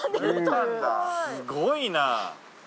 すごいな。